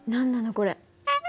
これ。